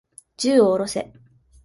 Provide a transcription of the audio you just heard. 銃を下ろせ。